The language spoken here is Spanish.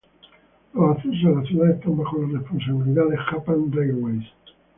Los accesos a la ciudad están bajo la responsabilidad de Japan Railways.